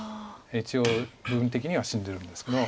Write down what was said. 一応部分的には死んでるんですけど。